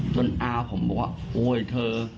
อาผมบอกว่าโอ๊ยเธอ